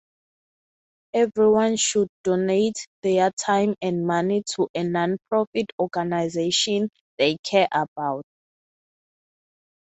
Everyone should donate their time and money to a nonprofit organization they care about.